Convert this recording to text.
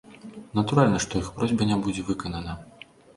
Натуральна, што іх просьба не будзе выканана.